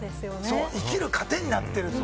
生きる糧になってるって。